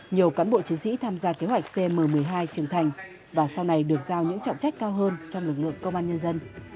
nhiều cán bộ chiến sĩ tham gia kế hoạch cm một mươi hai trưởng thành và sau này được giao những trọng trách cao hơn trong lực lượng công an nhân dân